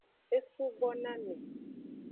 E subo na me.